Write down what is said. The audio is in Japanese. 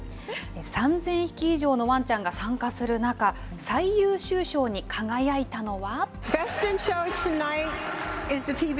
３０００匹以上のワンちゃんが参加する中、最優秀賞に輝いたのは。